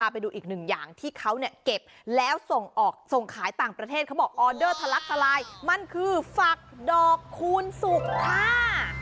ไปดูอีกหนึ่งอย่างที่เขาเนี่ยเก็บแล้วส่งออกส่งขายต่างประเทศเขาบอกออเดอร์ทะลักทลายมันคือฝักดอกคูณสุกค่ะ